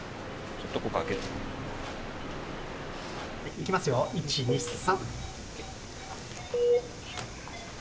いきますよ、１、２、３。